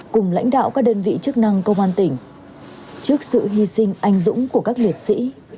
cùng lãnh đạo các đơn vị chức năng công an tỉnh trước sự hy sinh anh dũng của các liệt sĩ